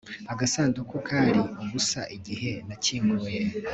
Agasanduku kari ubusa igihe nakinguye